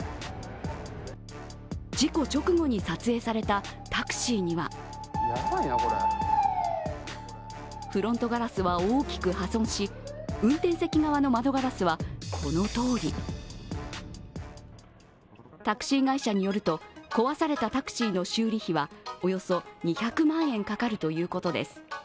事故直後に撮影されたタクシーにはフロントガラスは大きく破損し運転席側の窓ガラスは、このとおりタクシー会社によると、壊されたタクシーの修理費はおよそ２００万円かかるということです。